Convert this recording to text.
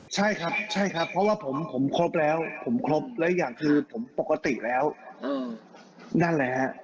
ใช่ครับใช่ครับเพราะว่าผมครบแล้วผมครบแล้วอีกอย่างคือผมปกติแล้วนั่นแหละฮะ